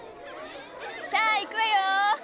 さァいくわよ！